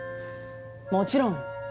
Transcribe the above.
もちろん。